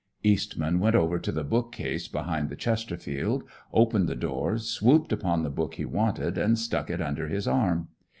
Eastman went over to the bookcase behind the Chesterfield, opened the door, swooped upon the book he wanted and stuck it under his arm.